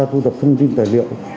thu tập thông tin tài liệu